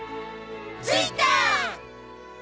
着いた！